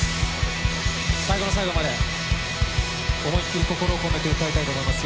最後の最後まで思い切って心を込めて歌いたいと思います